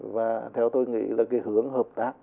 và theo tôi nghĩ là cái hướng hợp tác